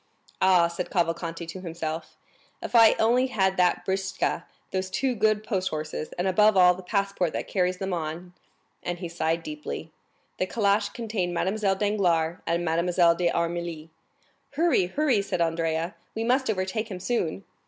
"Ah," said Cavalcanti to himself, "if I only had that britzka, those two good post horses, and above all the passport that carries them on!" And he sighed deeply. The calash contained Mademoiselle Danglars and Mademoiselle d'Armilly. "Hurry, hurry!" said Andrea, "we must overtake him soon."